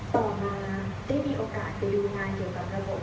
ต่อมาได้มีโอกาสไปดูงานเกี่ยวกับนรก